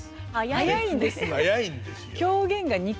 早いんですよ。